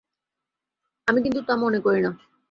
আমি কিন্তু তা মনে করি না।